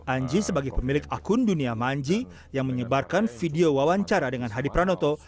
anji sebagai pemilik akun dunia manji yang menyebarkan video wawancara dengan hadi pranoto